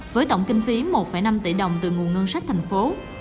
với tổng kinh phí một năm tỷ đồng từ nguồn ngân sách thành phố